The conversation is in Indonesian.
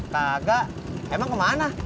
tidak emang kemana